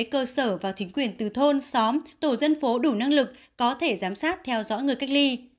cơ sở và chính quyền từ thôn xóm tổ dân phố đủ năng lực có thể giám sát theo dõi người cách ly